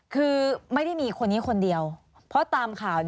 คือไม่ได้มีคนนี้คนเดียวเพราะตามข่าว